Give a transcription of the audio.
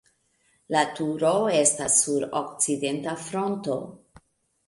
La turo estas sur okcidenta fronto.